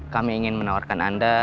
kami ingin menawarkan anda